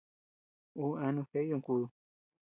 Uu eanu jeʼe yuntu kúdu.